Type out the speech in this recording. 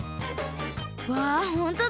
わほんとだ！